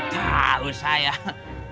he he baru tau sayang